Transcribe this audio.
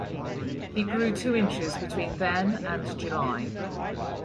He grew two inches between then and July.